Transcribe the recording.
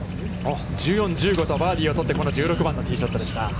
１４、１５とバーディーを取ってこの１６番のティーショットでした。